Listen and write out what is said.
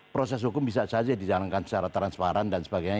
proses hukum bisa saja dijalankan secara transparan dan sebagainya